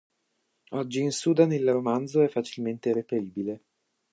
Oggi in Sudan il romanzo è facilmente reperibile.